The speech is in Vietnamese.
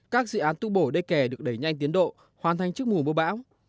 các dự án tu bổ đê kè được đẩy nhanh tiến độ hoàn thành trước mùa mưa bão